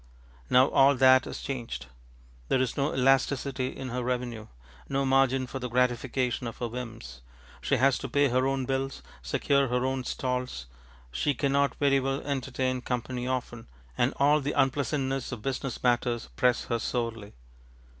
Now all that is changed. There is no elasticity in her revenue, no margin for the gratification of her whims; she has to pay her own bills, secure her own stalls; she cannot very well entertain company often, and all the unpleasantnesses of business matters press her sorely.